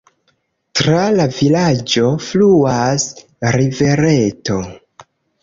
Tra la vilaĝo fluas rivereto.